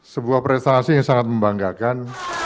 sebuah prestasi yang sangat membanggakan